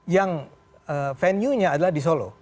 yang venue nya adalah di solo